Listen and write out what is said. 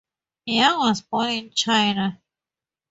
Yang was born in China.